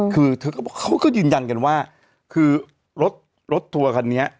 คือเธอก็เขาก็ยืนยันกันว่าคือรถรถทัวร์คันนี้